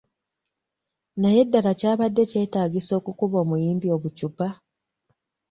Naye ddala kyabadde kyetaagisa okukuba omuyimbi obucupa?